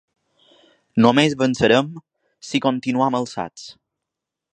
Només vencerem si continuem alçats.